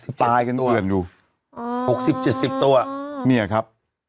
ตายกันเอื่อนอยู่๖๐๗๐ตัวเนี่ยครับ